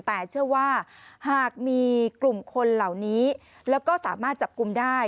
แต่เชื่อว่าหากมีกลุ่มคนเหล่านี้แล้วก็สามารถจับกลุ่มได้